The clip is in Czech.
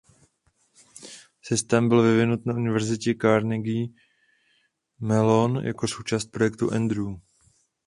Systém byl vyvinut na Univerzitě Carnegie Mellon jako součást projektu Andrew.